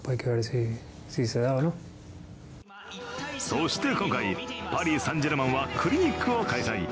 そして今回、パリ・サン＝ジェルマンはクリニックを開催。